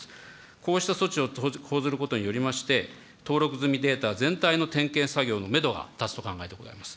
こうした措置を講ずることによりまして、登録済みデータ全体の点検作業のメドが立つと考えてございます。